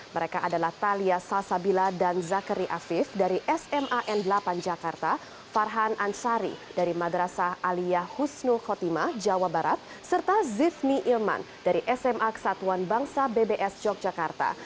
mereka adalah talia salsabila dan zakiri afif dari sma n delapan jakarta farhan ansari dari madrasah alia husnu khotima jawa barat serta zivni ilman dari sma kesatuan bangsa bbs yogyakarta